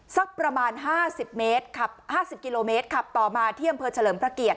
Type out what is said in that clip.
สักประมาณ๕๐กิโลเมตรขับต่อมาที่อำเภอเฉลิมประเกียจ